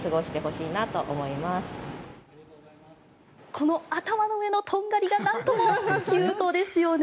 この頭の上のとんがりがなんともキュートですよね。